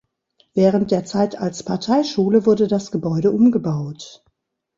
Während der Zeit als Parteischule wurde das Gebäude umgebaut.